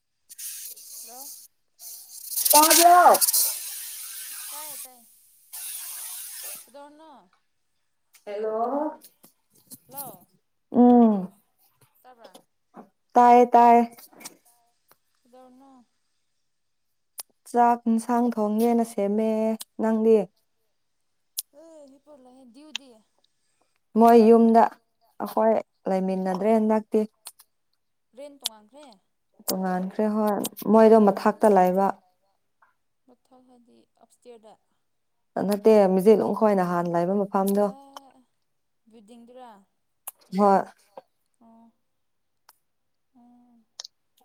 [inaudible] hello ꯇꯥꯕ꯭ꯔꯣ ꯇꯥꯏꯌꯦ ꯇꯥꯏ ꯀꯗꯧꯔꯤꯅꯣ ꯍꯦꯜꯂꯣ ꯍꯦꯜꯂꯣ ꯎꯝ ꯇꯥꯕ꯭ꯔꯥ ꯇꯥꯏꯌꯦ ꯇꯥꯏꯌꯦ ꯀꯩꯗꯧꯔꯝꯃꯣ ꯆꯥꯛ ꯏꯟꯁꯥꯡ ꯊꯣꯡꯒꯦꯅ ꯁꯦꯝꯃꯦ ꯅꯪꯗꯤ ꯍꯤꯞꯄꯒ ꯂꯩꯌꯦ ꯗꯤꯎꯗꯤ ꯃꯣꯏ ꯌꯨꯝꯗ ꯑꯩꯈꯣꯏ ꯂꯩꯃꯤꯟꯅꯗ꯭ꯔꯦ ꯍꯟꯗꯛꯇꯤ ꯔꯦꯟ ꯇꯣꯡꯉꯥꯟꯈ꯭ꯔꯦ ꯇꯣꯉꯥꯟꯈ꯭ꯔꯦ ꯍꯣꯏ ꯃꯣꯏꯗꯣ ꯃꯊꯥꯛꯇ ꯂꯩꯕ ꯃꯊꯛ ꯍꯥꯏꯗꯤ ꯑꯞꯁ꯭ꯇꯦꯔꯁꯗ ꯅꯠꯇꯦ ꯃꯤꯖꯠ ꯑꯗꯨ ꯈ꯭ꯋꯥꯏꯅ ꯍꯥꯟꯅ ꯂꯩꯕ ꯃꯐꯝꯗꯣ ꯗꯤꯡꯗ꯭ꯔꯥ ꯍꯣꯏ ꯎ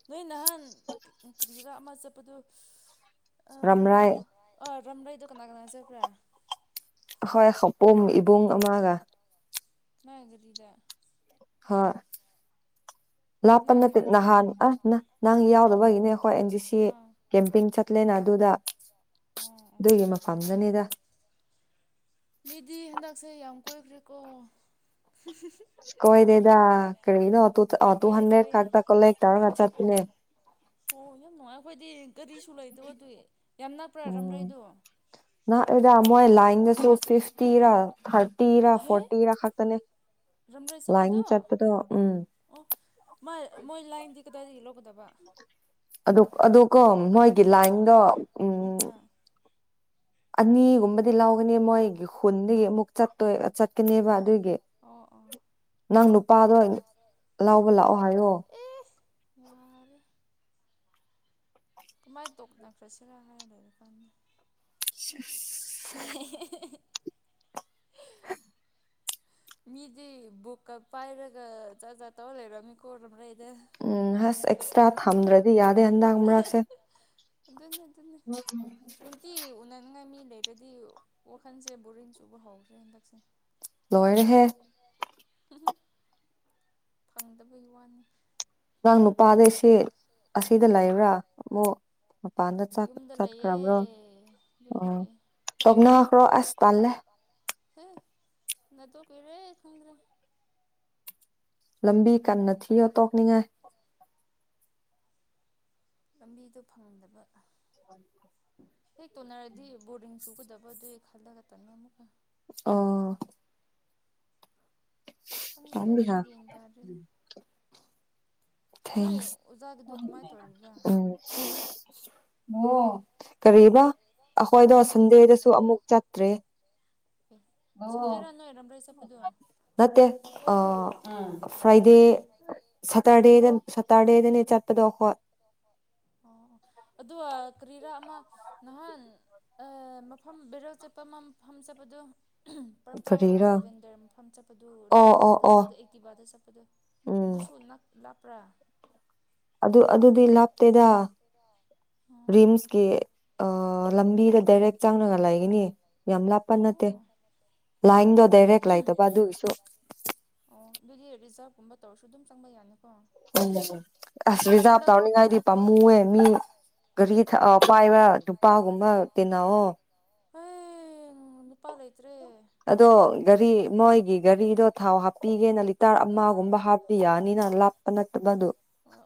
ꯅꯣꯏ ꯅꯍꯥꯟ ꯀꯔꯤꯔꯥ ꯑꯃ ꯆꯠꯄꯗꯣ ꯔꯝꯔꯥꯏ ꯈꯝ ꯑꯩ ꯗ ꯀꯥꯟꯒꯅꯥ ꯆꯔꯕ꯭ꯔꯥ ꯍꯣꯏ ꯄꯨꯝ ꯏꯕꯨꯡ ꯑꯃꯒ ꯒꯗꯗ ꯍꯣꯏ ꯂꯥꯞꯄ ꯀꯅꯥ ꯅꯠꯇꯦ ꯒꯥꯔꯤꯗ ꯑꯥ ꯅꯍꯥꯟ ꯑꯁ ꯅ ꯅꯪ ꯌꯥꯎꯗꯕ ꯑꯩꯈꯣꯏ ꯑꯦꯟ ꯖꯤ ꯁꯤ ꯑꯣ ꯀꯦꯝꯄꯦꯟ ꯆꯠꯂꯦꯅ ꯑꯗꯨꯗ ꯑꯣ ꯑꯗꯨꯒꯤ ꯃꯐꯝꯗꯨꯅꯤꯗ ꯃꯤꯗꯤ ꯍꯟꯗꯛꯁꯦ ꯌꯥꯝ ꯀꯣꯏꯈ꯭ꯔꯦꯀꯣ ꯀꯣꯏ ꯗꯦꯗ ꯀꯔꯤꯅꯣ ꯇꯨ ꯇꯨ ꯀꯣꯏꯌꯦ ꯍꯥꯟꯗ꯭ꯔꯦꯠ ꯀꯣꯏꯌꯦ ꯀꯗ ꯀꯦ ꯇꯔꯣ ꯉꯆ ꯄꯅꯦ ꯑꯣ ꯅꯨꯡꯉꯥꯏ ꯑꯩꯈꯣꯏꯗꯤ ꯀꯔꯤꯁꯨ ꯂꯩꯇꯧꯕ ꯑꯗꯨ ꯌꯥꯝ ꯅꯛꯄ꯭ꯔꯔ꯭ꯔꯥ ꯎꯝ ꯑꯩꯗꯣ ꯁꯨ ꯐꯤꯐꯇꯤꯔ ꯊꯥꯔꯇꯤꯔ ꯐꯣꯔꯇꯤꯔ ꯈꯛꯇꯅꯦ ꯁ ꯂꯥꯏꯟ ꯄꯨꯗ ꯆꯠꯄꯗꯣ ꯎꯝ ꯑꯣ ꯃ ꯂ ꯗꯗꯤ ꯏꯂꯣ ꯀꯗꯕ ꯑꯗꯨ ꯑꯗꯨꯒꯣ ꯃꯣꯏꯒꯤ ꯂꯥꯏꯟꯗꯣ ꯎꯝ ꯑꯥ ꯑꯅꯤꯒꯨꯝꯕꯗꯤ ꯂꯧꯒꯅꯤ ꯃꯣꯏꯒꯤ ꯈꯨꯟꯗꯒꯤ ꯑꯃꯨꯛ ꯆꯠꯇꯣꯏ ꯆꯠꯀꯅꯦꯕ ꯑꯗꯨꯒꯤ ꯑꯣ ꯑꯣ ꯅꯪ ꯅꯨꯨꯄꯥꯗꯣ ꯂꯥꯎꯕ ꯂꯥꯛꯑꯣ ꯍꯥꯏꯌꯣ ꯌꯥ ꯀꯃꯥꯏꯅ ꯇꯣꯛꯅꯈ꯭ꯔꯁꯤꯔ ꯍꯥꯏꯔ ꯂꯩꯣꯏꯔ ꯀꯥꯟꯗ [unintelligible] ꯃꯤꯗꯤ ꯕꯨꯀ ꯄꯥꯏꯔꯒ ꯆ ꯆ ꯇꯧ ꯂꯩꯔ ꯀꯣꯔꯣ ꯎꯝ ꯍꯁ ꯑꯦꯛꯁꯇ꯭ꯔꯥ ꯊꯝꯗ꯭ꯔꯗꯤ ꯌꯥꯗꯦ ꯍꯟꯗꯥꯡ ꯃꯔꯔꯛꯁꯦ ꯑꯗꯨꯅꯤ ꯑꯗꯨꯅꯤ ꯅꯨꯡꯇꯤꯒꯤ ꯎꯅꯟꯉꯝꯃꯤ ꯂꯩꯔꯗꯤ ꯋꯥꯈꯜꯁꯦ ꯕꯣꯔꯤꯡ ꯆꯨꯕ ꯍꯧꯈ꯭ꯔꯦ ꯍꯟꯗꯛꯁꯦ ꯂꯣꯏꯔꯦꯍꯦ ꯐꯪꯗꯕꯒꯤ ꯋꯥꯅꯤ ꯑꯉꯥꯡ ꯅꯨꯄꯥꯗꯩꯁꯦ ꯑꯁꯤꯗ ꯂꯩꯕ꯭ꯔꯥ ꯑꯃꯨꯛ ꯃꯄꯥꯟꯗ ꯌꯨꯝꯗ ꯂꯩꯌꯦ ꯆꯠꯈ꯭ꯔꯕ꯭ꯔꯣ ꯌꯨꯝꯗ ꯑꯣ ꯂꯩꯌꯦ ꯁꯛꯅꯥ ꯑꯈ꯭ꯔ ꯑꯁ ꯄꯜꯂ ꯍ ꯅꯠꯇꯣ ꯀꯔꯦ ꯈꯪꯗ꯭ꯔꯦ ꯂꯝꯕꯤ ꯀꯟꯅ ꯊꯤꯌꯣ ꯇꯣꯛꯅꯤꯡꯉꯥꯏ ꯂꯝꯕꯤꯗꯣ ꯐꯪꯍꯟꯗꯕ ꯑ ꯍꯦꯛ ꯇꯣꯟꯅꯔꯗꯤ ꯕꯣꯔꯗꯤꯡ ꯆꯨꯒꯗꯕ ꯑꯗꯨ ꯍꯦꯛ ꯈꯜꯂꯒ ꯇꯟꯅ ꯑꯃꯨꯛꯀ ꯑꯥ ꯈꯪꯒꯦꯗ ꯇꯥꯟꯕꯤꯍꯥ ꯑꯩꯁꯨꯒꯟ ꯇꯥꯔꯔꯦꯒ ꯊꯦꯡꯁ ꯀꯃꯥꯏ ꯇꯧꯔꯤꯕ꯭ꯔꯥ ꯎꯝ ꯑꯣ ꯀꯔꯤꯕ ꯑꯩꯈꯣꯏꯗꯣ ꯅꯣꯏ ꯑꯣꯖꯥꯒꯤ ꯁꯟꯗꯦꯗꯁꯨ ꯆꯪ ꯑꯃꯨꯛ ꯆꯠꯇ꯭ꯔꯦ ꯑꯦ ꯁꯟꯗꯦꯔꯥ ꯅꯣꯏ ꯔꯝꯔꯩ ꯆꯠꯄꯗꯣ ꯑꯣ ꯅꯠꯇꯦ ꯑ ꯐ꯭ꯔꯥꯏꯗꯦ ꯑꯣ ꯁꯇꯔꯗꯦꯗ ꯁꯇꯔꯗꯦꯗꯅꯦ ꯆꯠꯄꯗꯣ ꯑꯩꯈꯣꯏ ꯑꯣ ꯑꯗꯨꯗ ꯑ ꯀ꯭ꯔꯤꯔꯥ ꯈ ꯑꯃ ꯅꯍꯥꯟ ꯃꯐꯝ ꯕꯦꯔꯦꯜ ꯆꯠꯄ ꯑꯃ ꯃꯐꯝ ꯆꯠꯄꯗꯨ ꯄꯔꯄꯜꯔ ꯀꯔꯤꯔꯥ ꯂꯦꯕꯦꯟꯗꯔ ꯃꯐꯝ ꯆꯠꯄꯗꯨ ꯂꯩ ꯑꯣ ꯑꯣ ꯃꯔꯛꯇ ꯑꯣ ꯆꯠꯄꯗ ꯑꯦꯛꯇꯤꯕꯥꯗ ꯆꯠꯄꯗꯨ ꯎꯝ ꯑꯗꯨꯁꯨ ꯂꯥꯞꯄ꯭ꯔꯥ ꯑꯗꯨ ꯑꯗꯨꯗꯤ ꯂꯥꯞꯇꯦꯗ ꯑꯣ ꯔꯤꯝꯁꯀꯤ ꯑ ꯂꯝꯕꯤꯒ ꯗꯥꯏꯔꯦꯛ ꯆꯥꯡꯅꯉ ꯂꯩꯒꯅꯤ ꯌꯥꯝ ꯂꯥꯞꯄ ꯅꯠꯇꯦ ꯑꯣ ꯂꯥꯏꯅꯤꯗꯣ ꯗꯗꯥꯔꯦꯛ ꯂꯥꯛꯇꯕ ꯑꯗꯨꯒꯤꯁꯨ ꯑꯗꯨꯒꯤ ꯔꯤꯖꯥꯕꯀꯨꯝꯕ ꯇꯧꯔꯁꯨ ꯑꯗꯨꯝ ꯆꯪꯕ ꯌꯥꯅꯤ ꯎꯝ ꯑꯁ ꯔꯤꯖꯥꯕ ꯇꯧꯅꯤꯡꯉꯥꯏꯗꯤ ꯄꯥꯝꯃꯨꯑꯦ ꯃꯤ ꯒꯥꯔꯤ ꯄꯥꯏꯕ ꯅꯨꯄꯥꯒꯨꯝꯕ ꯇꯤꯟꯅꯑꯣ ꯑꯦ ꯅꯨꯄꯥ ꯂꯩ ꯂꯩ ꯑꯗꯣ ꯒꯥꯔꯤ ꯃꯣꯏꯒꯤ ꯒꯥꯔꯤꯗꯣ ꯊꯥꯎ ꯍꯥꯞꯄꯤꯒꯦꯅ ꯂꯤꯇꯔ ꯑꯃꯒꯨꯝꯕ ꯑꯥ ꯍꯥꯞꯄꯤ ꯅꯤꯅꯂ ꯑꯄꯅꯠꯇꯕꯗꯨ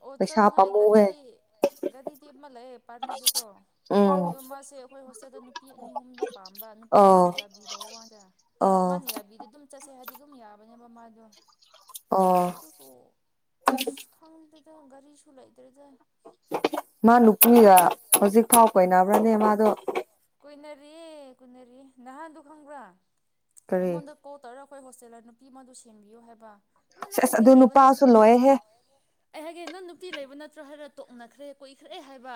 ꯑꯣ ꯆꯅꯅꯨꯡꯉ ꯔꯤꯗꯤ ꯒꯥꯔꯤꯗꯤ ꯑꯃ ꯂꯩꯑꯦ ꯄꯥꯔꯤꯗꯨꯀꯣ ꯎꯝ ꯑꯗꯣ ꯃꯥꯁꯦ ꯑꯩꯈꯣꯏ ꯍꯣꯁꯇꯦꯜꯗ ꯅꯨꯄꯤ ꯑꯅꯤ ꯑꯍꯨꯝꯗꯨ ꯄꯥꯝꯕ ꯅꯨꯄꯤ ꯑꯣ ꯑꯩꯈꯣꯏꯅ ꯌꯥꯕꯤꯗꯧ ꯋꯥꯗ ꯑꯣ ꯃꯥꯅ ꯌꯥꯕꯤꯗ ꯑꯗꯨꯝ ꯆꯠꯁꯦ ꯍꯥꯏ ꯑꯗꯨꯝ ꯌꯥꯕꯅꯦꯕ ꯃꯥꯗꯣ ꯑꯣ ꯑꯗꯨꯕꯨ ꯑꯁ ꯈꯪꯗ ꯑ ꯒꯥꯔꯤꯁꯨ ꯂꯩꯇ꯭ꯔꯦꯗ ꯃꯥ ꯅꯨꯄꯤꯒ ꯍꯧꯖꯤꯛꯐꯥꯎ ꯀꯅꯕ꯭ꯔꯅꯦ ꯃꯥꯗꯣ ꯨꯅꯔꯤ ꯅꯍꯥꯟꯗꯨ ꯈꯪꯕ꯭ꯔꯥ ꯀꯔꯤ ꯑꯩꯉꯣꯟꯗ ꯄ ꯇ ꯑꯩꯈꯣꯏ ꯍꯣꯁꯇꯦꯜꯗ ꯅꯨꯄꯤ ꯑꯃꯗꯨ ꯁꯦꯡꯕꯤꯌꯨ ꯍꯥꯏꯕ ꯑ ꯅꯪ ꯁꯦꯁ ꯅꯨꯄꯤ ꯑꯗꯨ ꯂꯩꯕ ꯅꯨꯄꯥꯁꯨ ꯅꯠꯇ꯭ꯔꯣ ꯂꯣꯏꯍꯦ ꯑꯩ ꯍꯥꯏꯒꯦ ꯅꯪ ꯅꯨꯄꯤ ꯂꯩꯕ ꯅꯠꯇ꯭ꯔꯣ ꯍꯥꯏꯔ ꯇꯣꯛꯅꯈ꯭ꯔꯦ ꯀꯣꯏꯈ꯭ꯔꯦ ꯍꯥꯏꯕ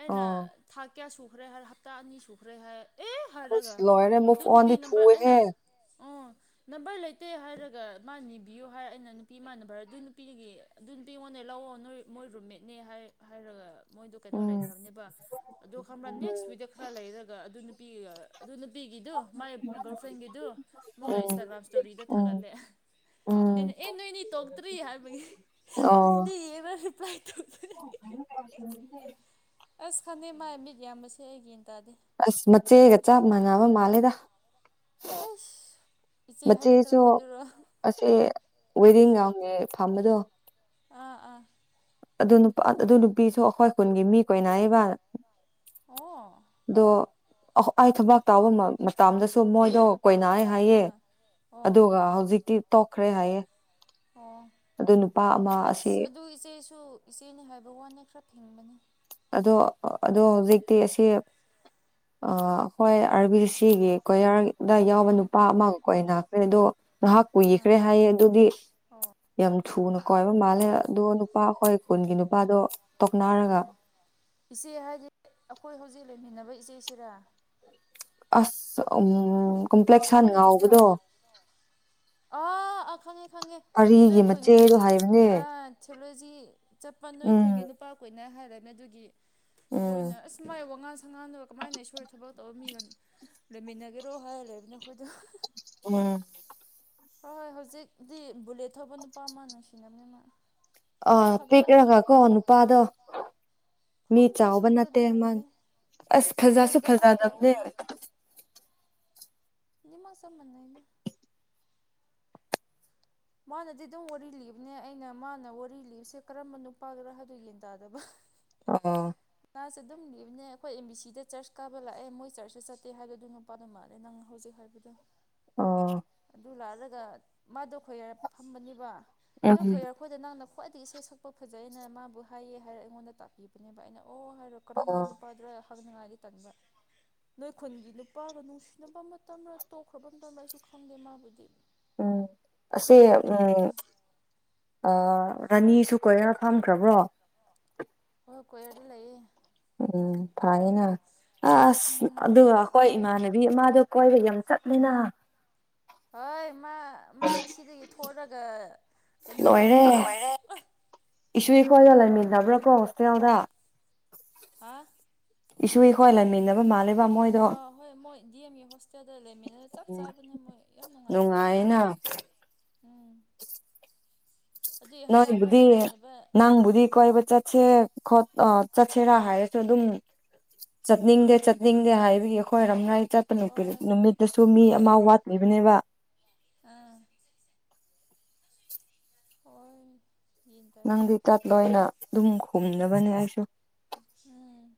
ꯑꯩꯅ ꯑꯣ ꯊꯥꯛ ꯀꯌꯥ ꯁꯨꯈ꯭ꯔꯦ ꯍꯥꯏꯔ ꯍꯞꯇꯥ ꯑꯅꯤ ꯁꯨꯈ꯭ꯔꯦ ꯍꯥꯏ ꯑꯦ ꯑꯁ ꯍꯥꯏꯔꯒ ꯂꯣꯏꯔꯦ ꯑꯗꯨ ꯃꯨꯐ ꯑꯣꯟꯗꯤ ꯅꯨꯄꯤ ꯅꯝꯕꯔ ꯊꯨꯑꯦꯍꯦ ꯑꯩꯅ ꯎ ꯅꯝꯕꯔ ꯂꯩꯇꯦ ꯍꯥꯏꯔꯒ ꯃꯥ ꯅꯤꯕꯤꯌꯨ ꯍꯥꯏ ꯑꯩꯅ ꯅꯨꯄꯤꯃꯅꯕꯚꯔ ꯑꯗꯨ ꯅꯨꯄꯤꯒꯤ ꯑꯗꯨ ꯅꯨꯄꯤꯉꯣꯟꯗꯩ ꯍ ꯂꯥꯛꯑꯣ ꯅꯣꯏ ꯃꯣꯏ ꯔꯨꯝꯃꯦꯠꯅꯦ ꯍꯥꯏ ꯍꯥꯏꯔꯒ ꯃꯣꯏꯗꯣ ꯀꯩꯅꯣ ꯎꯝ ꯂꯩꯈ꯭ꯔꯕꯅꯦꯕ ꯑꯗꯣ ꯈꯪꯕ꯭ꯔꯥ ꯅꯦꯛꯁ ꯋꯤꯛꯛꯇ ꯈꯔ ꯂꯩꯔꯒ ꯑꯗꯨ ꯅꯨꯄꯤ ꯑꯗꯨ ꯅꯨꯄꯤꯒꯤꯗꯨ ꯃꯥꯏ ꯒꯥꯔꯜꯐ꯭ꯔꯦꯟꯒꯤꯗꯨ ꯃꯒ ꯎꯝ ꯏꯟꯁꯇꯥꯒ꯭ꯔꯥꯝ ꯏꯁꯇꯣꯔꯤꯗ ꯎꯝ ꯊꯥꯒꯠꯂꯦ ꯎꯝ ꯏ ꯅ ꯏꯅꯤ ꯇꯣꯛꯒꯇ꯭ꯔꯤ ꯍꯥꯏꯔꯕꯒꯤ ꯑ ꯇꯥꯏ ꯇ [unintelligible] ꯑꯁ ꯈꯪꯗꯩ ꯃꯥꯥꯏ ꯃꯤꯠ ꯌꯥꯝꯕꯁꯦ ꯑꯩꯒꯤ꯭ꯌꯥꯟ ꯇꯥꯗꯦ ꯑꯁ ꯃꯆꯦꯒ ꯆꯞ ꯃꯥꯟꯅꯕ ꯃꯥꯜꯂꯦꯗ ꯍꯁ ꯃꯆꯦꯁꯨ ꯑꯁꯦ ꯋꯦꯗꯤꯡ ꯌꯥꯎꯉ ꯐꯝꯕꯗꯣ ꯑꯥ ꯑꯥ ꯑꯗꯨ ꯅꯨꯄꯥ ꯑꯗꯨ ꯅꯨꯄꯤꯁꯨ ꯑꯩꯈꯣꯏ ꯈꯨꯟꯒꯤ ꯃꯤ ꯀꯣꯏꯅꯏꯕ ꯑꯣ ꯗꯣ ꯑꯊꯕ ꯇꯥꯕ ꯃꯇꯗꯁꯨ ꯃꯣꯏꯗꯣ ꯀꯣꯏꯅꯥꯏ ꯍꯥꯏꯌꯦ ꯑꯥ ꯑꯣ ꯑꯗꯨꯒ ꯍꯧꯖꯤꯛꯇꯤ ꯇꯣꯛꯈ꯭ꯔꯦ ꯍꯥꯏꯌꯦ ꯑꯣ ꯑꯗꯨ ꯅꯨꯄꯥ ꯑꯃ ꯑꯁꯤ ꯁꯨ ꯏꯆꯦꯅꯤ ꯍꯥꯏꯕ ꯋꯥꯅꯦ ꯈꯔ ꯐꯤꯡꯕꯅꯤ ꯑꯗꯣ ꯑꯗꯣ ꯍꯧꯖꯤꯛꯇꯤ ꯑꯁꯤ ꯑ ꯍꯣꯏ ꯑꯥꯔꯕꯤ ꯁꯤꯒꯤ ꯀꯣꯌꯥꯔ ꯑꯗꯥꯏ ꯌꯥꯎꯕ ꯅꯨꯄꯥ ꯑꯥ ꯑꯃꯒꯀꯣ ꯑꯩ ꯈ꯭ꯔꯦ ꯑꯗꯣ ꯅꯍꯥꯛ ꯑꯥ ꯀꯨꯏꯈ꯭ꯔꯦ ꯍꯥꯏꯌꯦ ꯑꯗꯨꯗꯤ ꯑꯣ ꯌꯥꯝ ꯊꯨꯅ ꯀꯣꯏꯕ ꯃꯥꯜꯂꯦ ꯑꯗꯣ ꯅꯨꯄꯥ ꯍꯣꯏ ꯀꯨꯟꯒꯤ ꯅꯨꯄꯥꯗꯣ ꯇꯧꯅꯔꯒ ꯏꯆꯦ ꯍꯥꯏꯗꯤ ꯑꯩꯈꯣꯏ ꯍꯧꯖꯤꯛ ꯂꯩꯃꯤꯟꯅꯕ ꯏꯆꯦꯁꯤꯔꯥ ꯑꯁ ꯎꯝ ꯑꯣ ꯀꯝꯄ꯭ꯂꯦꯛꯁꯟ ꯍꯒꯗ ꯉꯥꯎꯕꯗꯣ ꯑ ꯑ ꯈꯪꯉꯦ ꯅꯣꯏ ꯄꯔꯤꯒꯤ ꯈꯨꯟꯒꯤ ꯃꯆꯦꯗꯣ ꯍꯥꯏꯕꯅꯦ ꯊꯣꯂꯣꯖꯤ ꯆꯄꯜ ꯅꯣꯏ ꯈꯨꯟꯒꯤ ꯎꯝ ꯅꯨꯄꯥ ꯀꯨꯏꯅ ꯍꯥꯏꯔꯝꯃꯦ ꯑꯗꯨꯒꯤ ꯑꯩꯈꯣꯏꯅ ꯎꯝ ꯑꯁ ꯃꯥꯏ ꯋꯥꯉꯜ ꯁꯪꯒꯥꯅꯕ ꯀꯃꯥꯏꯅ ꯏꯁꯣꯏꯗ ꯊꯕꯛ ꯇꯧꯕ ꯃꯤꯒ ꯂꯩꯃꯤꯟꯅꯒꯦꯔꯣ ꯍꯥꯏꯔꯒ ꯂꯩꯕꯅꯤꯅ ꯑꯩꯈꯣꯏꯗ ꯎꯝ ꯍꯣꯏ ꯍꯣꯏ ꯍꯧꯖꯤꯛꯇꯤ ꯕꯨꯂꯦꯠ ꯊꯧꯕ ꯅꯨꯄꯥ ꯑꯃ ꯅꯨꯡꯁꯤꯅꯕꯅꯦ ꯃꯥ ꯑ ꯌꯥꯝ ꯊꯥꯒꯠꯄꯅꯦ ꯄꯦꯀꯔꯒ ꯀꯣ ꯅꯨꯄꯥꯗ ꯃꯤ ꯈꯪꯗꯦ ꯆꯥꯎꯕ ꯅꯠꯇꯦ ꯑꯁꯦꯡꯕꯗꯤ ꯃꯪ ꯎꯗꯦ ꯑꯁ ꯐꯖꯁꯨ ꯕꯨꯂꯦꯠꯇ ꯉꯥꯛꯇ ꯐꯖꯗꯕꯅꯦ ꯎꯋꯦ [inaudible] ꯃꯣ ꯁꯅ ꯃꯥꯅꯗꯤ ꯑꯗꯨꯝ ꯋꯥꯔꯤ ꯂꯤꯕꯅꯦ ꯑꯩꯅ ꯃꯥꯅ ꯋꯥꯔꯤ ꯂꯤꯕꯁꯦ ꯀꯔꯝꯕ ꯅꯨꯄꯥꯒꯔꯥ ꯍꯥꯏꯗꯨ ꯌꯦꯟ ꯇꯗꯕ ꯑ ꯃꯥꯁꯦ ꯑꯗꯨꯝ ꯂꯤꯕꯅꯦ ꯑꯩꯈꯣꯏ ꯑꯦꯝ ꯕꯤ ꯁꯤꯗ ꯆꯔꯆ ꯀꯥꯕ ꯂꯥꯛꯑꯦ ꯃꯣꯏ ꯆꯔꯆ ꯆ ꯆꯠꯇꯦ ꯍꯥꯏꯕꯗꯨ ꯑꯗꯨ ꯅꯨꯄꯥꯗꯨ ꯃꯥꯜꯂꯦ ꯅꯪ ꯍꯧꯖꯤꯛ ꯍꯥꯏ ꯇꯔꯗ ꯑꯣ ꯂꯥꯜꯂꯒ ꯃꯥꯗꯣ ꯈꯣꯏꯌꯥꯔ ꯐꯝꯕꯅꯤꯕ ꯅꯣꯏ ꯎꯝ ꯈꯣꯏꯌꯥꯔꯈꯣꯏꯗ ꯅꯪꯅ ꯈ꯭ꯋꯥꯏꯗꯒꯤ ꯏꯁꯩ ꯁꯛꯄ ꯐꯖꯩꯑꯅ ꯃꯥꯕꯨ ꯍꯥꯏꯌꯦ ꯍꯥꯏꯔ ꯑꯩꯉꯣꯟꯗ ꯇꯥꯛꯄꯤꯕꯅꯦꯕ ꯑꯩꯅ ꯑꯣ ꯍꯥꯏꯔꯣ ꯀꯔꯝꯕ ꯑꯣ ꯅꯨꯄꯥꯗꯨ ꯍꯪꯅꯤꯉꯥꯏꯗꯤ ꯇꯟꯕ ꯅꯣꯏ ꯈꯨꯟꯒꯤ ꯅꯨꯄꯥꯒ ꯅꯨꯡꯁꯤꯅꯕ ꯃꯇꯝꯔꯥ ꯇꯣꯛꯈ꯭ꯔꯕ ꯃꯇꯝꯔ ꯑꯩꯁꯨ ꯈꯪꯗꯦ ꯃꯥꯕꯨꯗꯤ ꯎꯝ ꯐꯖꯅꯗꯤ ꯑꯁꯤꯁ ꯎꯝ ꯍꯪꯗꯦꯅꯦ ꯑ ꯔꯥꯅꯤꯁꯨ ꯀꯣꯏꯔꯔ ꯐꯝꯈ꯭ꯔꯕ꯭ꯔꯣ ꯍ ꯀꯣꯏ ꯂꯩ ꯎꯝ ꯐꯥꯏꯅ ꯑ ꯑꯁ ꯎꯝ ꯑꯗꯨꯒ ꯍꯈꯣꯏ ꯏꯃꯥꯟꯅ ꯕꯤꯃꯗꯣ ꯀꯣꯏꯕ ꯌꯥꯝ ꯆꯠꯅꯤꯅ ꯍꯣꯏ ꯃꯥ ꯃꯥ ꯁꯤꯗꯒꯤ ꯊꯂꯒ ꯀꯩꯅꯣ ꯇꯧꯈ꯭ꯔꯕ ꯏꯁꯁꯨꯀꯣ ꯌꯥꯂꯃꯤꯗꯥꯕ꯭ꯔ ꯀꯣꯁꯦ ꯌꯥꯎꯗ ꯍꯥ ꯏꯁꯨ ꯑꯩꯈꯣꯏ ꯂꯩꯃꯤꯟꯅꯕ ꯃꯥꯜꯂꯦꯕ ꯃꯣꯏꯗꯣ ꯑꯥ ꯍꯣꯏ ꯃꯣꯏ ꯗꯤ ꯑꯦꯝ ꯌ ꯍꯣꯁꯇꯦꯜꯗ ꯂꯩꯃꯤꯟꯅꯔ ꯆꯞ ꯆꯥꯕꯅꯦ ꯃꯣꯏ ꯌꯥꯝ ꯅꯨꯡꯉꯥꯏꯈ꯭ꯔꯕꯅꯦ ꯅꯨꯡꯉꯥꯏꯅ ꯎꯝ ꯑꯗꯨꯏ ꯍꯟꯗꯛ ꯑꯩꯈꯣꯏ ꯅꯣꯏꯕꯨꯗꯤ ꯂꯩꯃꯤꯟꯅꯕ ꯅꯪꯕꯨꯗꯤ ꯀꯣꯏꯕ ꯆꯠ ꯆꯦ ꯈꯣꯠꯄ ꯆꯠꯁꯦꯔꯥ ꯍꯥꯏꯔꯁꯨ ꯑꯗꯨꯝ ꯆꯠꯅꯤꯡꯗꯦ ꯆꯠꯅꯤꯡꯗꯦ ꯍꯥꯏꯕꯒꯤ ꯑꯩꯈꯣꯏꯔꯝꯅꯥꯏ ꯆꯠꯄ ꯅꯨꯄꯤ ꯍꯣꯏ ꯅꯨꯃꯤꯠꯇꯁꯨ ꯃꯤ ꯑꯃ ꯋꯥꯠꯂꯤꯕꯅꯦꯕ ꯑꯥ ꯑꯣꯏ ꯅꯪꯗꯤ ꯆꯠꯂꯣꯏꯅ ꯑꯗꯨꯝ ꯈꯨꯝꯅꯕꯅꯦ ꯑꯩꯁꯨ ꯑ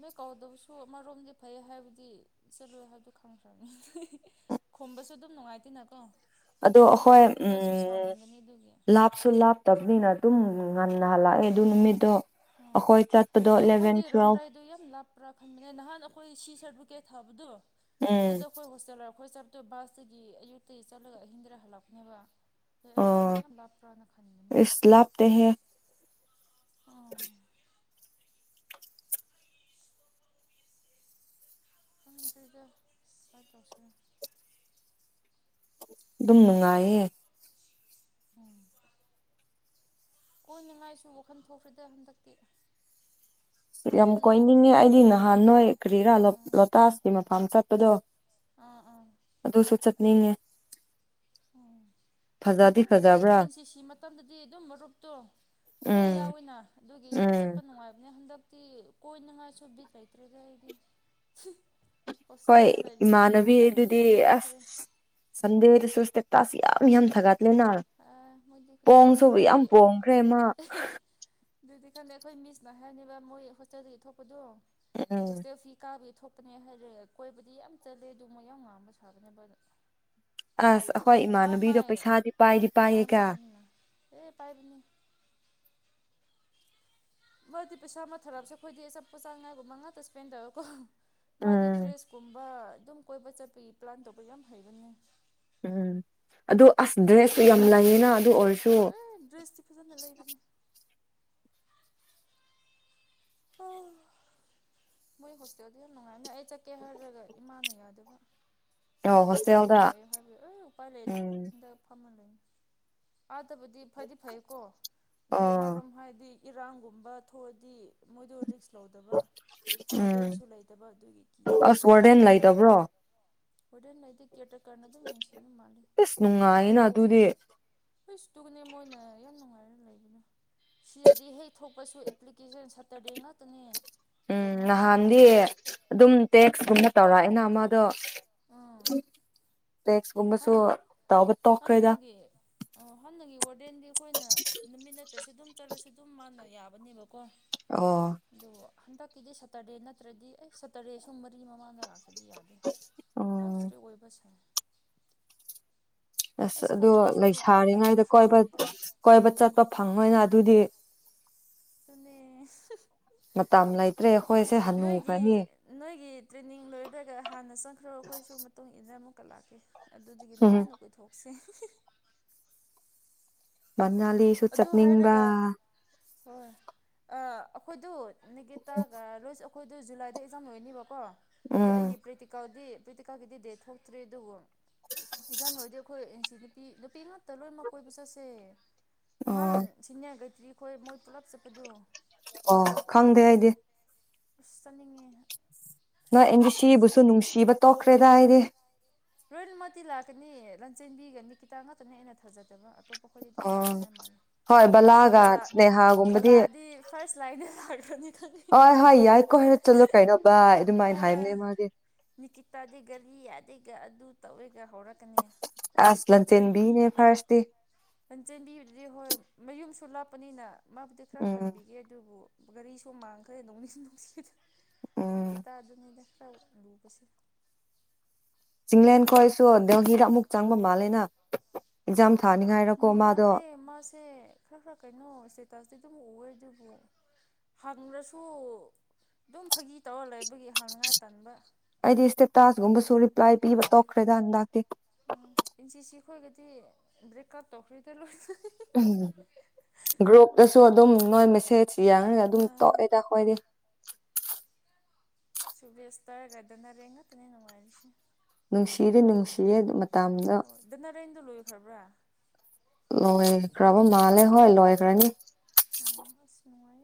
ꯃ ꯀꯧꯗꯕꯁꯨ ꯑꯃꯔꯣꯝꯗꯤ ꯐꯩ ꯍꯥꯏꯕꯗꯤ ꯆꯠꯂꯨ ꯍꯥꯏꯕꯗꯨ ꯈꯪꯈ꯭ꯔꯅꯤ ꯈꯨꯝꯕꯁꯨ ꯑꯗꯨꯝ ꯅꯨꯡꯉꯥꯏꯇꯦꯅꯀꯣ ꯑꯗꯣ ꯑꯗꯨꯝ ꯑꯩꯈꯣꯏ ꯍꯥꯏꯕꯗꯤ ꯎ ꯅꯣꯏꯁꯨ ꯁꯥꯎꯅꯤꯡꯒꯅꯤ ꯑꯗꯨꯒꯤ ꯂꯥꯞꯁꯨ ꯂꯥꯞꯇꯕꯅꯤꯅ ꯑꯗꯨꯝ ꯎꯝ ꯉꯅꯍꯂ ꯑꯦ ꯑꯗꯨ ꯅꯨꯃꯤꯠꯇꯣ ꯑꯣ ꯑꯩꯈꯣꯏ ꯆꯠꯄꯗꯣ ꯑꯩ ꯑꯦꯂꯚꯦꯟ ꯋꯥꯈꯜꯗꯤ ꯇꯨꯋꯦꯜꯐ ꯔꯝ꯭ꯔꯥꯏꯗꯨꯣ ꯌꯥꯝ ꯂꯥꯞꯄ꯭ꯔꯥ ꯈꯟꯕꯅꯦ ꯅꯍꯥꯟ ꯑꯩꯈꯣꯏ ꯁꯤ ꯁꯔ ꯀꯦ ꯊꯥꯕꯗꯣ ꯎꯝ ꯑꯗꯨꯗ ꯑꯩꯈꯣꯏ ꯍꯣꯁꯇꯦꯜꯔ ꯑꯩꯈꯣꯏ ꯆꯠꯄꯣ ꯕꯥꯁꯇꯒꯤ ꯑꯌꯨꯛꯇꯒꯤ ꯆꯠꯂꯒ ꯑꯍꯤꯡꯗꯔ ꯍꯜꯂꯛꯄꯅꯦꯕ ꯑ ꯑꯩꯕꯨ ꯑꯣ ꯈꯅꯤꯡ ꯌꯥꯝ ꯂꯥꯞꯄ꯭ꯔꯅ ꯈꯅꯤꯡꯉꯕꯅꯤ ꯏꯁ ꯂꯥꯞꯇꯦꯍꯦ [unintelligible] ꯗ ꯇꯁ ꯑꯗꯨꯝ ꯅꯨꯡꯉꯥꯏꯌꯦ ꯎꯝ ꯍꯅꯤꯡꯉꯥꯏꯁꯨ ꯋꯥꯈꯟ ꯊꯣꯛꯈ꯭ꯔꯦꯗ ꯍꯟꯗꯛꯇꯤ ꯌꯥꯝ ꯑꯗꯨꯝ ꯀꯣꯏꯅꯤꯡꯉꯦ ꯑꯩꯗꯤ ꯅꯍꯥꯟ ꯅꯣꯏ ꯀꯔꯤꯔꯥ ꯂꯣꯇꯥꯖꯀꯤ ꯃꯐꯝ ꯆꯠꯄꯗꯣ ꯑ ꯑꯗꯨꯗꯁꯨ ꯆꯠꯅꯤꯉ ꯑꯣ ꯐꯖꯗꯤ ꯈꯪꯗꯦ ꯐꯖꯕ꯭ꯔꯥ ꯑꯦꯟ ꯁꯤ ꯁꯤ ꯃꯇꯝꯗꯗꯤ ꯑꯗꯨꯝ ꯃꯔꯨꯞꯇꯣ ꯂꯣꯏ ꯎꯝ ꯌꯥꯎꯋꯤꯅ ꯑꯗꯨꯒꯤ ꯑꯗꯨꯝ ꯎꯝ ꯆꯠꯄ ꯅꯨꯡꯉꯥꯏꯕꯅꯦ ꯍꯟꯗꯛ ꯇ ꯀꯣꯏꯅꯉꯥꯏ ꯁꯣꯕꯤꯠ ꯂꯩꯇ꯭ꯔꯦꯗ ꯑꯩꯗꯤ ꯍꯣꯏ ꯍꯣꯁꯇꯦꯜꯗ ꯂꯩ ꯂꯩꯕꯒꯤ ꯏꯃꯥꯟꯅꯕꯤ ꯋꯥꯈꯜꯗꯣ ꯑꯗꯨꯗꯤ ꯌꯥꯝ ꯑꯁ ꯃꯝꯈ꯭ꯔꯦ ꯁꯟꯗꯦꯗꯁꯨ ꯇꯁꯤ ꯌꯥꯝ ꯌꯥꯝ ꯊꯒ ꯂꯅꯥꯜ ꯃꯣꯏꯗꯤ ꯈꯨꯗꯤꯡ ꯇꯧꯔꯦ ꯄꯣꯡꯁꯨꯕ ꯑꯗꯨꯒꯤ ꯌꯥꯝ ꯄꯣꯡꯈ꯭ꯔꯦ ꯃꯥ ꯑꯗꯨꯗꯤ ꯈꯪꯗꯦ ꯑꯩꯈꯣꯏ ꯃꯤꯁꯅ ꯍꯥꯏꯔꯅꯦꯕ ꯃꯣꯏ ꯍꯣꯁꯇꯦꯜꯗꯒꯤ ꯊꯣꯛꯄꯗꯣ ꯎꯝ ꯍꯣꯁꯇꯦꯜ ꯐꯤ ꯀꯥꯕꯒꯤ ꯊꯣꯛ ꯈꯣꯠꯄꯅꯦ ꯍꯥꯏꯔꯦ ꯀꯣꯏꯕꯗꯤ ꯌꯥꯝ ꯆꯠꯂꯦ ꯑꯗꯨ ꯃꯣꯏ ꯌꯥꯝ ꯉꯥꯡꯕ ꯁꯥꯕꯅꯦꯕ ꯑꯁ ꯑꯩꯈꯣꯏ ꯏꯃꯥꯟꯅꯕꯤꯗꯣ ꯄꯩꯁꯥꯗꯤ ꯄꯥꯏꯗꯤ ꯃꯥꯥꯏ ꯄꯥꯏꯌꯦꯒ ꯃꯥꯒꯅꯤꯅ ꯑꯦ ꯄꯥꯏꯕꯅꯤ ꯃꯔꯗꯤ ꯄꯩꯁꯥ ꯑꯃ ꯊꯥꯛꯑꯁꯨ ꯑꯩꯈꯣꯏꯗꯤꯄ ꯆꯥ ꯉꯉꯥꯒꯨꯝꯕ ꯉꯥꯛꯇ ꯏꯁꯄꯦꯟ ꯇꯧꯔꯀꯣ ꯃꯥꯗꯤ ꯎꯝ ꯗ꯭ꯔꯦꯁꯀꯨꯝꯕ ꯑꯗꯨꯝ ꯀꯣꯏꯕ ꯆꯠꯄꯒꯤ ꯄ꯭ꯂꯥꯟ ꯇꯧꯕ ꯌꯥꯝ ꯍꯩꯕꯅꯦ ꯎꯝ ꯑꯗꯨ ꯑꯁ ꯗ꯭ꯔꯦꯁꯇꯨ ꯌꯥꯝ ꯂꯩꯌꯦꯅ ꯑꯗꯨ ꯑꯣꯏ ꯑꯦ ꯗ꯭ꯔꯦꯁꯇꯤ ꯐꯖꯅ ꯂꯩꯕꯅꯦ ꯃꯣꯏ ꯍꯣꯁꯇꯦꯜꯗꯣ ꯌꯥꯝ ꯅꯨꯡꯉꯥꯏꯝꯅꯦ ꯑꯩ ꯆꯠꯀꯦ ꯍꯥꯏꯔꯒ ꯏꯃꯥꯅ ꯌꯥꯗꯕ ꯁꯤ ꯍꯣꯁꯇꯦꯜꯗ ꯑꯗꯨꯝ ꯂꯩ ꯍꯥꯏꯕ ꯑꯩ ꯎꯄꯥꯏ ꯎꯝ ꯂꯩꯝꯗ ꯐꯝꯍꯜꯂꯣꯏꯅꯤ ꯑꯥꯗꯕꯗꯤ ꯐꯗꯤ ꯐꯩꯀꯣ ꯑꯗꯨꯏ ꯑꯣ ꯑꯃꯔꯣꯝ ꯍꯥꯏꯗꯤ ꯏꯔꯥꯡꯒꯨꯝꯕ ꯊꯣꯛꯑꯗꯤ ꯃꯣꯏꯗꯣ ꯔꯤꯛꯁ ꯂꯧꯗꯕ ꯎꯝ ꯋꯥꯔꯗꯦꯟꯁꯨ ꯂꯩꯇꯕ ꯑꯗꯨꯒꯤ ꯑꯁ ꯋꯥꯔꯗꯦꯟ ꯂꯩꯇꯕ꯭ꯔꯣ ꯑꯣꯗꯦꯟ ꯂꯩꯗꯤ ꯀꯦꯇ꯭ꯔ ꯀꯥꯟꯅ ꯑꯗꯨꯝ ꯌꯦꯡꯁꯤꯅ ꯃꯥꯜꯂꯤꯦ ꯑꯁ ꯅꯨꯡꯉꯥꯏꯌꯦꯅ ꯑꯗꯨꯗꯤ ꯀꯣꯛꯅ ꯁꯇꯨꯅꯦ ꯃꯣꯏꯅ ꯏ ꯌꯥꯝ ꯅꯅꯨꯡꯉꯥꯏ ꯁꯤꯗꯗꯤ ꯍꯦꯛ ꯊꯣꯛꯄꯁꯨ ꯑꯦꯄ꯭ꯂꯤꯀꯦꯁꯟ ꯁꯇꯔꯗꯦ ꯉꯥꯛꯇꯅꯦ ꯎꯝ ꯀꯩꯅꯣ ꯅꯍꯥꯟꯗꯤ ꯉꯥꯡꯗꯕ ꯑꯗꯨꯝ ꯇꯦꯛꯁꯀꯨꯝꯕ ꯇꯧꯔꯛꯑꯏꯅ ꯑꯃꯗꯣ ꯎꯝ [unintelligible] ꯍꯟ ꯍꯟꯅꯒꯤ ꯍꯥꯟꯅꯒꯤ ꯋꯥꯔꯗꯦꯟꯗꯤ ꯑꯩꯈꯣꯏꯅ ꯅꯤꯕ ꯀ ꯑꯣ ꯑꯗꯨꯗꯨ ꯍꯟꯗꯛꯀꯤꯗꯤ ꯁꯇꯔꯗꯦ ꯅꯠꯇ꯭ꯔꯗꯤ ꯑꯩ ꯁꯇꯔꯗꯦ ꯁꯨꯝ ꯃꯔꯤ ꯃꯃꯥꯡꯗꯔꯥ ꯗꯤ ꯌꯥꯗꯦ ꯌꯥꯝ ꯎꯝ ꯁꯔꯤ ꯑꯣꯏꯕ ꯁ ꯑꯁ ꯑꯗꯣ ꯈꯪꯗꯦ ꯏꯁꯣꯔꯒꯤ ꯊꯕꯛ ꯇꯧꯕ ꯂꯩꯁꯥꯔꯤꯉꯩꯗ ꯃꯤꯁꯤꯡꯁꯦ ꯀꯣꯏꯕ ꯒ꯭ꯌꯥꯟ ꯇꯥꯗꯦ ꯀꯣꯏꯕ ꯆꯠꯄ ꯐꯪꯉꯣꯏꯅ ꯑꯗꯨꯗꯤ [unintelligible] ꯃꯇꯥꯝ ꯂꯩꯇꯥꯔꯦ ꯅꯣꯏꯒꯤ ꯅꯣꯏꯒꯤ ꯇ꯭ꯔꯦꯅꯤꯡ ꯂꯣꯏꯔꯗꯒ ꯍꯥꯟꯅ ꯆꯪꯈ꯭ꯔꯣ ꯑꯩꯈꯣꯏꯁꯨ ꯃꯇꯨꯡ ꯏ ꯃꯇꯨꯡꯏꯟꯅ ꯀꯠꯂꯛꯀꯦ ꯑꯗꯨꯗꯒꯤ ꯎꯝ ꯅꯨꯡꯉꯥꯏꯅ ꯀꯣꯏꯊꯣꯛꯁꯦ ꯃꯅꯥꯂꯤꯁꯨ ꯑꯗꯨ ꯆꯠꯅꯤꯡꯕ ꯍꯥꯏꯔꯒ ꯍꯣꯏ ꯑꯩꯈꯣꯏꯗꯨ ꯅꯒꯤꯇꯥꯒ ꯔꯣꯏꯁ ꯑꯩꯈꯣꯏꯗꯣ ꯖꯨꯂꯥꯏꯗ ꯑꯦꯛꯖꯥꯝ ꯂꯣꯏꯅꯦꯕꯀꯣ ꯑꯗꯣ ꯎꯝ ꯑꯩꯒꯤ ꯄ꯭ꯔꯤꯇꯤꯀꯥꯗꯤ ꯄ꯭ꯔꯤꯇꯤꯀꯥꯒꯤꯗꯤ ꯗꯦ ꯊꯣꯛꯇ꯭ꯔꯤ ꯑꯗꯨꯕꯨ ꯑꯦꯛꯖꯥꯡ ꯂꯣꯏꯔꯗꯤ ꯑꯩꯈꯣꯏ ꯁꯤ ꯅꯨꯄꯤ ꯅꯨꯄꯤ ꯉꯥꯛꯇ ꯂꯣꯏꯅꯃꯛ ꯀꯣꯏꯕ ꯆꯠꯁꯦ ꯑꯣ ꯅꯍꯥꯟ ꯁꯤꯅꯤꯌꯥꯔ ꯀꯩꯇ꯭ꯔꯤꯈꯣꯏ ꯃꯣꯏ ꯄꯨꯜꯂꯞ ꯆꯠꯄꯗꯣ ꯑꯣ ꯈꯪꯗꯦ ꯑꯩꯗꯤ ꯆꯅꯤꯡꯉꯦ ꯅꯣꯏ ꯑꯩꯗꯤ ꯁꯤꯕꯨꯁꯨ ꯅꯨꯡꯁꯤꯕ ꯇꯣꯛꯈ꯭ꯔꯦꯗ ꯍꯥꯏꯗꯤ ꯂꯣꯏꯅ ꯃꯇꯤ ꯂꯥꯛꯀꯅꯤ ꯂꯟꯆꯦꯟꯕꯤꯒꯅꯤ ꯈꯤꯇ ꯉꯥꯛꯇꯅꯤ ꯑꯩꯅ ꯊꯥꯖꯗꯕ ꯑꯇꯣꯞꯄ ꯑꯩꯈꯣꯏꯗꯤ ꯑꯗꯨꯝ ꯑꯣ ꯂꯥꯛꯅꯉꯥꯏ ꯃꯥꯥꯟꯜꯂꯤ ꯍꯣꯏ ꯁꯨꯔ ꯕꯂꯥꯒ ꯕꯂꯥ ꯁ꯭ꯅꯦꯍꯥꯒꯨꯝꯕꯗꯤ ꯕꯂꯥꯗꯤ ꯐꯥꯔꯁ ꯂꯥꯏꯟꯗ ꯂꯥꯛꯄꯅꯤ ꯈꯜꯂꯤ ꯍꯣꯏ ꯍꯣꯏ ꯌꯥꯏꯀꯣ ꯍꯥꯏꯔ ꯆꯠꯂꯣ ꯀꯩꯅꯣ ꯚꯏ ꯑꯗꯨꯃꯥꯏꯅ ꯍꯣꯏ ꯍꯥꯏꯕꯅꯦ ꯃꯥꯒꯤ ꯅꯤꯀꯤꯇꯥꯗꯤ ꯒꯥꯔꯤ ꯌꯥꯗꯦꯒ ꯑꯗꯨ ꯇꯧꯋꯦ ꯑꯁ ꯂꯁꯦꯟꯕꯤꯅꯦ ꯐꯔꯁꯇ ꯆꯦꯟꯕꯤꯕꯗꯨꯗꯤ ꯍꯣꯏ ꯃꯌꯨꯝꯁꯨ ꯂꯥꯞꯄꯅꯤꯅ ꯃꯥꯕꯨꯗꯤ ꯈꯔ ꯎꯝ ꯈꯟꯕꯤꯒꯦ ꯑꯗꯨꯕꯨ ꯒꯥꯔꯤꯁꯨ ꯃꯥꯡꯈ꯭ꯔꯦ ꯅꯣꯡꯅꯤꯁꯨ ꯅꯨꯡꯁꯤꯗ ꯎꯝ ꯇꯤ ꯇꯥꯗ꯭ꯔꯤꯉꯩꯗ ꯥꯎꯝ ꯂꯨꯕꯁꯦ ꯏꯪꯂꯦꯟ ꯈꯁꯨ ꯗꯒꯤꯗ ꯑꯃꯨꯛ ꯆꯪꯕ ꯃꯥꯜꯂꯦꯅ ꯑꯦꯛꯥꯝ ꯃꯥꯜꯂꯦ ꯃꯥꯁꯦ ꯈꯔ ꯈꯔ ꯀꯩꯅꯣ ꯏꯁꯇꯦꯇꯁꯇꯤ ꯑꯗꯨꯝ ꯎꯑꯦ ꯑꯗꯨꯕꯨ ꯍꯪꯉ꯭ꯔꯁꯨ ꯑꯗꯨꯝ ꯐꯥꯒꯤ ꯇꯧꯔ ꯂꯩꯕꯒꯤ ꯍꯪꯅꯤꯉꯥꯏ ꯇꯟꯥꯟꯕ ꯑꯩꯗꯤ ꯏꯁꯇꯦꯇꯥꯁꯒꯨꯝꯕꯁꯨ ꯔꯤꯄ꯭ꯂꯥꯏ ꯄꯤꯕ ꯇꯣꯛꯈ꯭ꯔꯦꯗ ꯍꯟꯗꯥꯛꯇꯤ ꯎꯝ ꯏꯟꯆꯤꯁꯤ ꯑꯩꯈꯣꯏꯒꯗꯤ ꯕ꯭ꯔꯦꯛ ꯀꯞ ꯇꯧꯈ꯭ꯔꯤꯗ ꯂꯣꯏ ꯎꯝ ꯒ꯭ꯔꯨꯞꯨꯞꯇꯁꯨ ꯑꯗꯨꯝ ꯅꯣꯏ ꯃꯦꯁꯦꯖ ꯌꯥꯗ ꯑꯗꯨꯝ ꯇꯣꯛꯑꯦꯗ ꯑꯩꯈꯣꯏꯗꯤ ꯁꯨꯕꯦꯁ ꯇꯔꯒꯗꯅꯔꯦ ꯉꯥꯛꯇꯅꯤ ꯅꯨꯡꯉꯥꯏꯔꯤꯁꯦ ꯅꯨꯡꯁꯤꯗꯤ ꯅꯨꯡꯁꯤꯔꯦ ꯍꯣꯏ ꯑꯗꯨ ꯅꯔꯦꯟꯗꯨꯣ ꯂꯣꯏꯈ꯭ꯔꯕ꯭ꯔꯥ ꯂꯣꯏꯈꯕꯥ ꯃꯥꯜꯦ ꯍ ꯂꯣꯏꯈꯥꯅꯤ ꯑꯣ ꯅꯨꯡꯉꯥꯏ